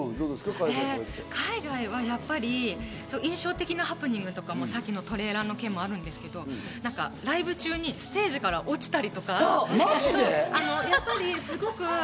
海外はやっぱり印象的なハプニングとかも、さっきのトレーラーの件もあるんですけど、ライブ中にステージから落ちたりとか。